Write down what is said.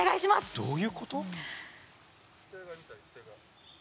どういうこと？